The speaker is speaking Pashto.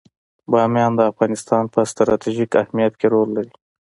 بامیان د افغانستان په ستراتیژیک اهمیت کې رول لري.